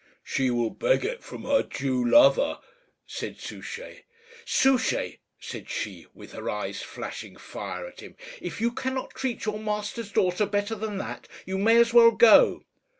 "She will beg it from her Jew lover," said Souchey. "Souchey," said she, with her eyes flashing fire at him, "if you cannot treat your master's daughter better than that, you may as well go."